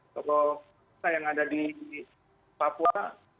tokoh kita yang ada di papua